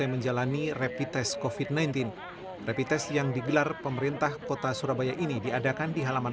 menjalani repitest covid sembilan belas repitest yang digelar pemerintah kota surabaya ini diadakan di halaman